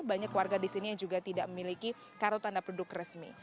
banyak warga di sini yang juga tidak memiliki kartu tanda penduduk resmi